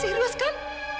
kamu gak serius kan